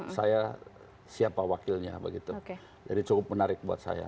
saya siapa wakilnya begitu jadi cukup menarik buat saya